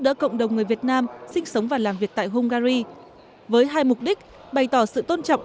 đỡ cộng đồng người việt nam sinh sống và làm việc tại hungary với hai mục đích bày tỏ sự tôn trọng